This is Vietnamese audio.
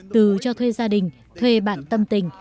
từ cho thuê gia đình thuê bạn tâm tình